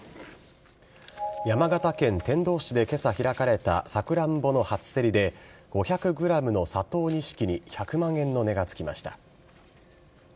山形県天童市でけさ開かれたサクランボの初競りで、５００グラムの佐藤錦に１００万円の値がつきました。